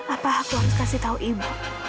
apa aku harus kasih tahu ibu